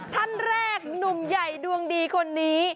ท่านแรกหนุ่มใหญ่ดวงดีคนนี้